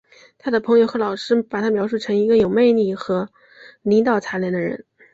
他的朋友和老师把他描述成一个有魅力的和领导才能的人。